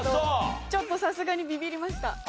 ちょっとさすがにビビりました。